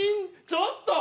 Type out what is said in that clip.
ちょっと。